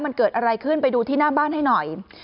มันเกิดอะไรขึ้นไปดูที่หน้าบ้านให้หน่อย